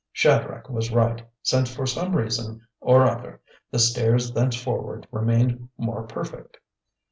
Shadrach was right, since for some reason or other the stairs thenceforward remained more perfect.